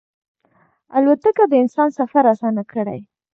الوتکه د انسان سفر اسانه کړی.